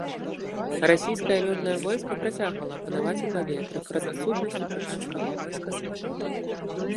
Расійскае лётнае войска працягвала панаваць у паветры праз адсутнасць у чачэнскага войска самалётаў.